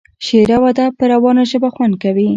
شعر او ادب په روانه ژبه خوند کوي.